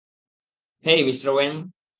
Hey, mister when.